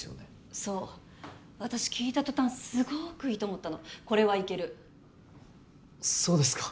そう私聴いた途端すごくいいと思ったのこれはいけるそうですか？